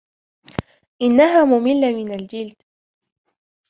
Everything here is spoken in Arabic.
انها مملة من الجلد.